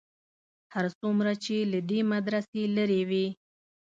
هر څومره چې له دې مدرسې لرې وې.